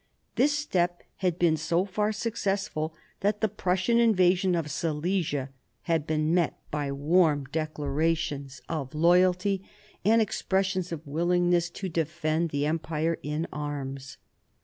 This step had been so far successful that the Prussian invasion of Silesia had been met by warm declarations 16 MARIA THERESA ohap. i of loyalty and expressions of willingness to defend the Empire in arms.